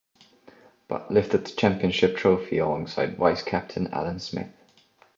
Butt lifted the Championship trophy alongside vice-captain Alan Smith.